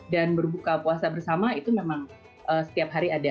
berbuka puasa bersama itu memang setiap hari ada